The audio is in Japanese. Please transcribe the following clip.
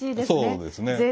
そうですね。